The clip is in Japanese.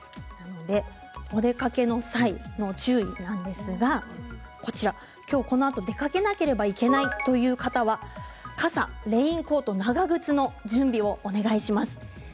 お出かけの際の注意なんですがきょうこのあと出かけなければいけないという方は傘で、レインコート長靴の準備をお願いします。